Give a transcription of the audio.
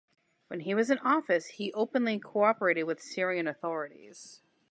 When he was in office, he openly cooperated with the Syrian authorities.